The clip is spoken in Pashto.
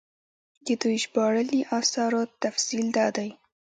د دوي ژباړلي اثارو تفصيل دا دی